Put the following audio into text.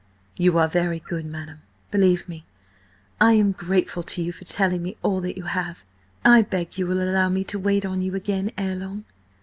"You are very good, madam. Believe me, I am grateful to you for telling me all that you have. I beg you will allow me to wait on you again ere long?"